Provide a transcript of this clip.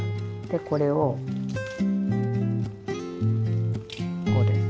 でこれをこうです。